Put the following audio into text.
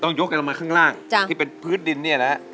ต้องยกลงมาข้างล่างที่เป็นพื้นดินเนี่ยนะ